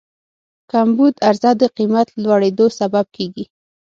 کمبود عرضه د قیمت لوړېدو سبب کېږي.